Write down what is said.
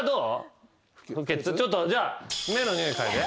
ちょっとじゃあ目のにおい嗅いで。